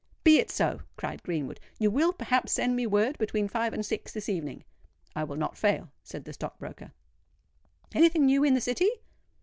"Be it so," cried Greenwood. "You will, perhaps, send me word between five and six this evening." "I will not fail," said the stock broker. "Any thing new in the City?"